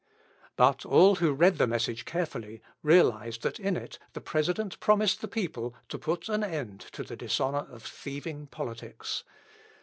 But all who read the message carefully realised that in it the President promised the people to put an end to the dishonour of thieving politics.